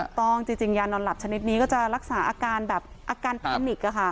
ถูกต้องจริงจริงยานอนหลับชนิดนี้ก็จะรักษาอาการแบบอาการแพนิกอ่ะค่ะ